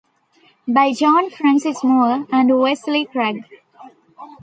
By John Francis Moore and Wesley Craig.